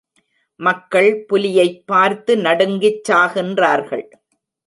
மக்கள் புலியைப் பார்த்து நடுங்கிச் சாகின்றார்கள்.